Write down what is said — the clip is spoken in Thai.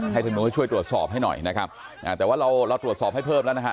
ให้ท่านโน้ทช่วยตรวจสอบให้หน่อยนะครับแต่ว่าเราตรวจสอบให้เพิ่มแล้วนะฮะ